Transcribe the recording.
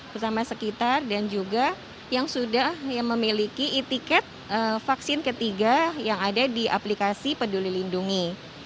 terutama sekitar dan juga yang sudah memiliki e ticket vaksin ketiga yang ada di aplikasi peduli lindungi